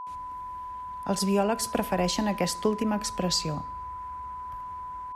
Els biòlegs prefereixen aquesta última expressió.